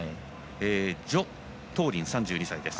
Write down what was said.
徐冬林、３２歳です。